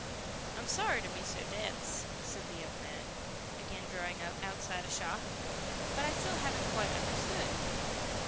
"I'm sorry to be so dense," said the young man, again drawing up outside a shop. "But I still haven't quite understood."